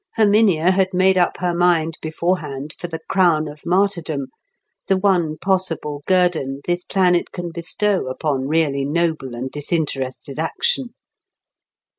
Herminia had made up her mind beforehand for the crown of martyrdom, the one possible guerdon this planet can bestow upon really noble and disinterested action.